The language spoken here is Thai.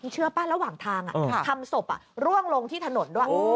เชื่อป่ะระหว่างทางทำศพร่วงลงที่ถนนด้วย